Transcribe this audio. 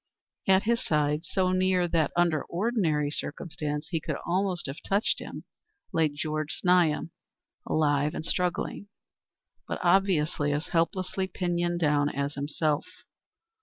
At his side, so near that under ordinary circumstances he could almost have touched him, lay Georg Znaeym, alive and struggling, but obviously as helplessly pinioned down as himself.